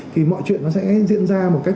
thì mọi chuyện nó sẽ diễn ra một cách